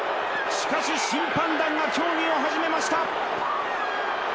しかし審判団が協議を始めました。